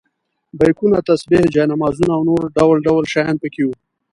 بیکونه، تسبیح، جاینمازونه او نور ډول ډول شیان په کې وو.